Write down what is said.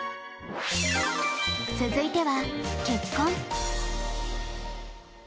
続いては結婚。